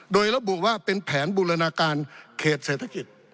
โดยระบุว่าเป็นแผนบูรณาการเขตเศรษฐกิจ